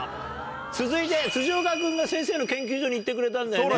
続いて岡君が先生の研究所に行ってくれたんだよね。